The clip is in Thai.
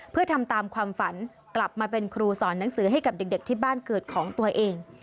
เพื่อทำตามความฝันกลับมาเป็นครูสอนหนังสือให้กับเด็กที่บ้านเกิดของตัวเอง